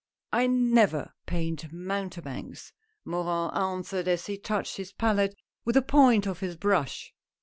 " I never paint mountebanks," Morin answered as he touched his palette with the point of his brush.